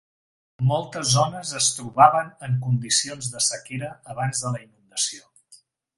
Moltes zones es trobaven en condicions de sequera abans de la inundació.